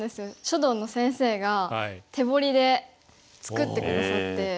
書道の先生が手彫りで作って下さって。